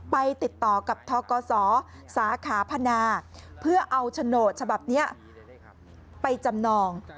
ไปติดต่อกับทกศสาขาพนาเพื่อเอาโฉนดฉบับนี้ไปจำนอง